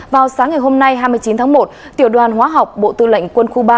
vào sáng ngày hôm nay hai mươi chín tháng một tiểu đoàn hóa học bộ tư lệnh quân khu ba